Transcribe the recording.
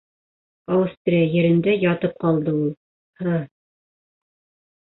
Аустрия ерендә ятып ҡалды ул, һы-ы-ы...